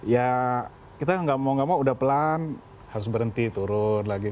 ya kita nggak mau nggak mau udah pelan harus berhenti turun lagi